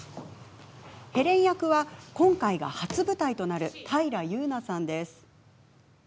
ヘレン役は、今回が初舞台となる平祐奈さんです。